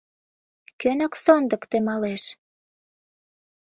Кӧнак сондык темалеш?